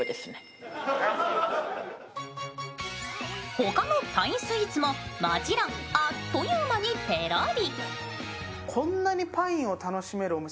他のパインスイーツももちろんあっという間にペロリ。